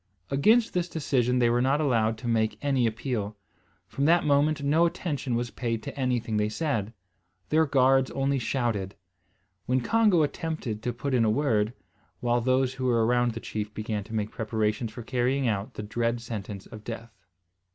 Against this decision they were not allowed to make any appeal. From that moment no attention was paid to anything they said. Their guards only shouted, when Congo attempted to put in a word; while those who were around the chief began to make preparations for carrying out the dread sentence of death.